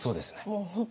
もう本当